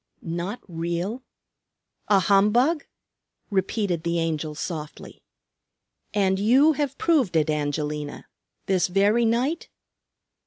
"Not real? A humbug?" repeated the Angel softly. "And you have proved it, Angelina, this very night?"